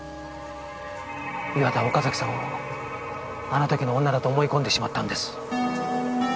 岩田は岡崎さんをあの時の女だと思い込んでしまったんです。